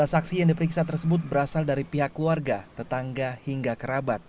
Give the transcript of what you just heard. lima saksi yang diperiksa tersebut berasal dari pihak keluarga tetangga hingga kerabat